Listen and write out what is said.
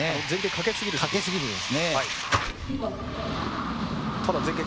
かけすぎるんですね。